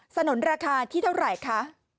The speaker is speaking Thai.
สนุนราคาที่เท่าไหร่คะ